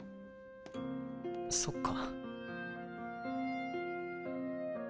そっか。